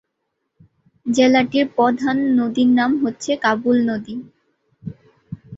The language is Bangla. জেলাটির প্রধান নদীর নাম হচ্ছে কাবুল নদী।